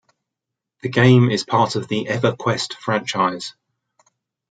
The game is part of the "EverQuest" franchise.